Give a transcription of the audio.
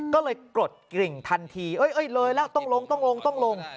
ก็เลยกดกริ่งทันทีเลยแล้วต้องลง